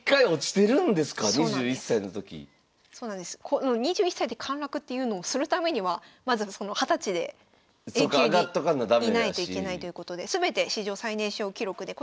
この２１歳で陥落っていうのをするためにはまず２０歳でＡ級にいないといけないということで全て史上最年少記録で。